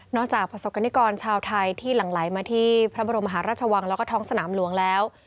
จากประสบกรณิกรชาวไทยที่หลั่งไหลมาที่พระบรมหาราชวังแล้วก็ท้องสนามหลวงแล้ว